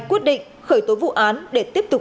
quyết định khởi tố vụ án để tiếp tục